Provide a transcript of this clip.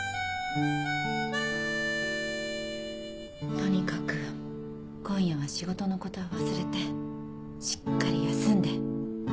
とにかく今夜は仕事のことは忘れてしっかり休んで。